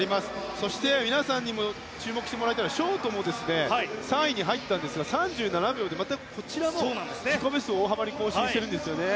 そして皆さんにも注目してもらいたいのはショートも３位に入ったんですが３７秒でこちらも自己ベストを大幅に更新しているんですね。